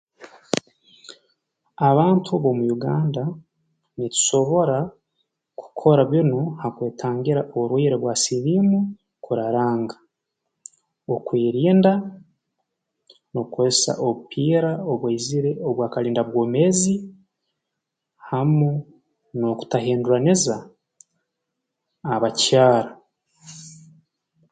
Abantu omu Uganda nitusobora kukora binu ha kwetangira oburwaire bwa siliimu kuraranga okwerinda n'okukozesa obupiira obwaizire obwa kalinda-bwomeezi hamu n'okutahinduraniza abakyara